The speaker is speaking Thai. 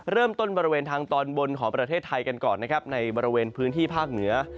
บริเวณทางตอนบนของประเทศไทยกันก่อนนะครับในบริเวณพื้นที่ภาคเหนือ